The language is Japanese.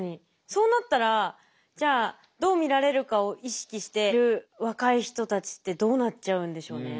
そうなったらじゃあどう見られるかを意識してる若い人たちってどうなっちゃうんでしょうね。